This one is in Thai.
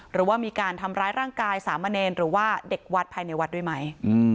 หรือว่ามีการทำร้ายร่างกายสามเณรหรือว่าเด็กวัดภายในวัดด้วยไหม